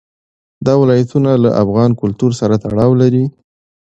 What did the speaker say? دا ولایتونه له افغان کلتور سره تړاو لري.